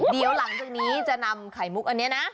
เดี๋ยวหลังจากนี้จะนำไข่มุกอันนี้นะ